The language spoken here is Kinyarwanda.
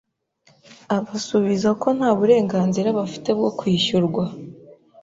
abasubiza ko Nta burenganzira bafite bwo kwishyurwa